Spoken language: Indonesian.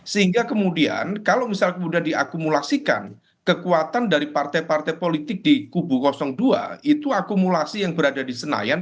sehingga kemudian kalau misal kemudian diakumulasikan kekuatan dari partai partai politik di kubu dua itu akumulasi yang berada di senayan